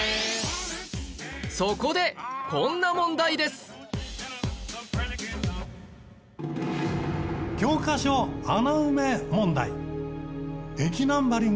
そこでこんな問題ですさあ